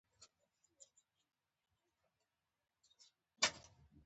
زردالو ونه سپرغۍ اچوي.